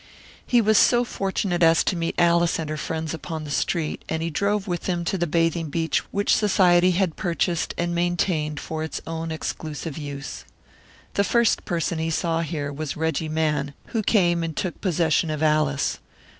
He was so fortunate as to meet Alice and her friends upon the street, and he drove with them to the bathing beach which Society had purchased and maintained for its own exclusive use. The first person he saw here was Reggie Mann, who came and took possession of Alice.